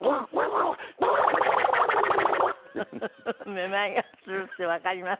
めまいがするってわかります。